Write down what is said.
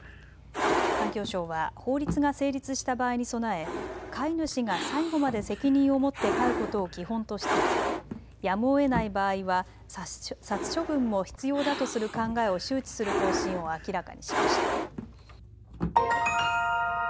環境省は法律が成立した場合に備え、飼い主が最後まで責任を持って飼うことを基本としつつやむをえない殺処分も必要だとする考えを周知する方針を明らかにしました。